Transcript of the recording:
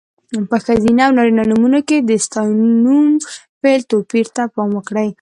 په ښځینه او نارینه نومونو کې د ستاینوم، فعل... توپیر ته پام وکړئ.